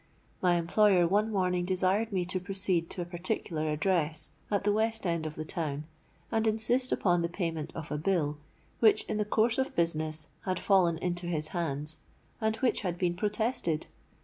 My employer one morning desired me to proceed to a particular address, at the West End of the Town, and insist upon the payment of a bill, which, in the course of business, had fallen into his hands, and which had been protested.